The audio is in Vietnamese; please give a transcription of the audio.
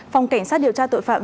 phòng cảnh sát điều tra tội phạm